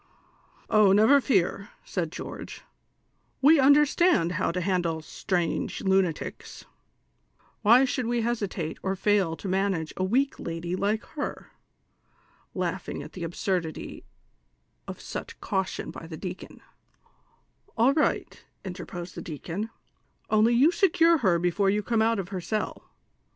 " Oh, never fear," said George ;" we understand how to handle strong lunatics ; why should we hesitate or fail to manage a weak lady like lier ?" laughing at the absurdity of such caution by the deacon. "All right," interposed the deacon, "only you secure her before you come out of her cell.